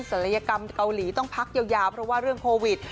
ศัลยกรรมเกาหลีต้องพักยาวเพราะว่าเรื่องโควิด